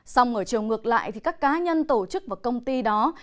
xong ở chiều ngược lại thì các cá nhân tổ chức và công ty đó